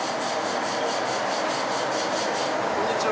こんにちは。